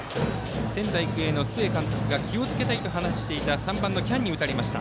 仙台育英の須江監督が気をつけたいと話していた３番の喜屋武に打たれました。